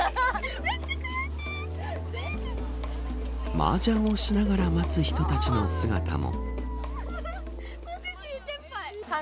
マージャンをしながら待つ人たちの姿も。